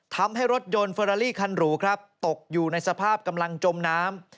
ทำให้รถยนต์เฟอราลี่คันหรูครับตกอยู่ในสภาพกำลังจมน้ำ